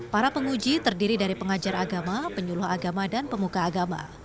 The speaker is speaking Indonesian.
para penguji terdiri dari pengajar agama penyuluh agama dan pemuka agama